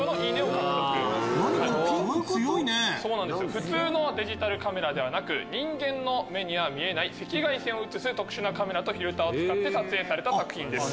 普通のデジタルカメラではなく人間の目には見えない赤外線を写す特殊なカメラとフィルターを使って撮影された作品です。